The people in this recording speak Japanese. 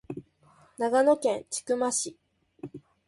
長野県千曲市